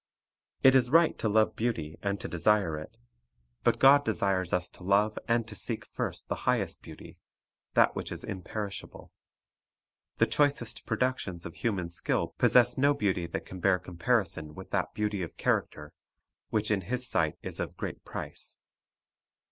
It is right to love beauty and to desire it; but God desires us to love and to seek first the highest beauty, — that which is imperishable. The choicest productions The Hi shesi Beauty of human skill possess no beauty that can bear com parison with that beauty of character which in His sight is of "great price."